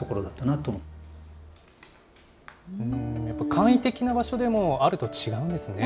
簡易的な場所でもあると違うんですね。